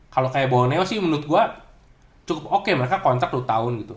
kalau kayak borneo sih menurut gua cukup oke mereka kontrak satu tahun gitu